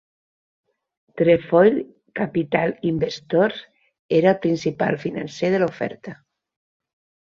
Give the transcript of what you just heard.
Trefoil Capital Investors era el principal financer de la oferta.